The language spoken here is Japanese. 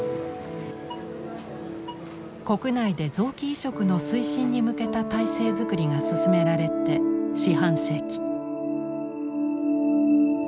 国内で臓器移植の推進に向けた体制作りが進められて四半世紀。